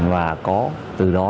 và có từ đó